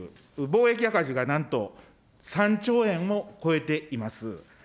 貿易赤字がなんと３兆円を超えています。